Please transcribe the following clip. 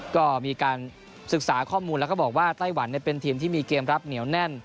ก็มีการศึกษาข้อมูลแล้วก็บอกว่าไต้หวันเป็นทีมที่มีเกมรับเหนียวแน่น